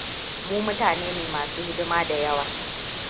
Mu mutane ne masu hidima da yawa.